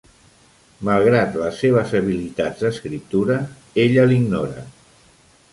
Malgrat les seves habilitats d'escriptura, ella l'ignora.